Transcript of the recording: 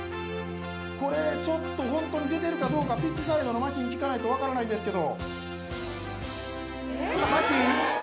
これちょっとホントに出てるかどうかピッチサイドのマキに聞かないと分からないんですけど